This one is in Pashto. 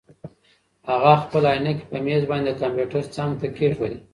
هغه خپلې عینکې په مېز باندې د کمپیوټر څنګ ته کېښودې.